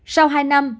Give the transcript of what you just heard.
sau hai năm